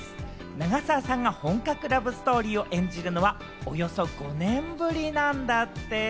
長澤さんが本格ラブストーリーを演じるのは、およそ５年ぶりなんだって。